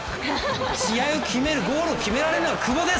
試合を決めるゴールを決められるのは久保です。